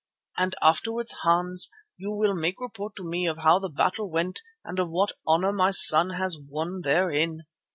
And afterwards, Hans, you will make report to me of how the battle went and of what honour my son has won therein.